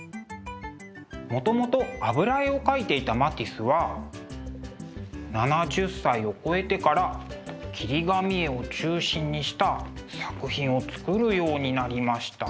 もともと油絵を描いていたマティスは７０歳を超えてから切り紙絵を中心にした作品を作るようになりました。